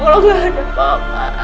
kalau gak ada papa